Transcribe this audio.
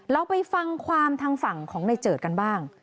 เราไปฟังความทางฝั่งของในเจิดกันบ้าง